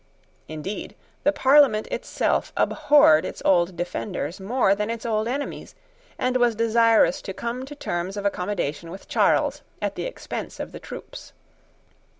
Indeed, the Parliament itself abhorred its old defenders more than its old enemies, and was desirous to come to terms of accommodation with Charles at the expense of the troops.